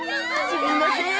すみません